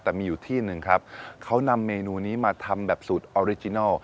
แต่มีอยู่ที่หนึ่งครับเขานำเมนูนี้มาทำแบบสูตรออริจินัล